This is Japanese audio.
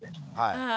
はい。